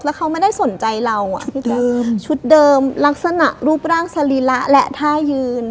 แล้วเขาไม่ได้สนใจเราอ่ะพี่แจ๊คชุดเดิมลักษณะรูปร่างสรีระและท่ายืน